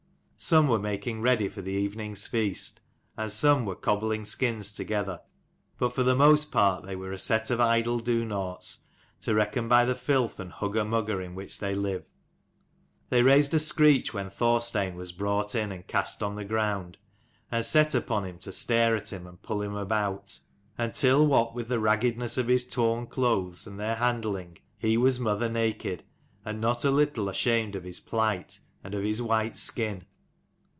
Some were making ready for the evening's feast, and some were cobbling skins together : but for the most part they were a set of idle do noughts, to reckon by the filth and hugger mugger in which they lived. They raised a screech when Thorstein was brought in and cast on the ground : and set upon him to stare at him and pull him about ; until what with the raggedness of his torn clothes and their handling he was mother naked, and not a little ashamed of his plight, and of his white skin.